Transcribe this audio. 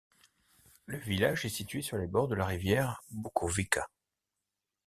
Le village est situé sur les bords de la rivière Bukovica.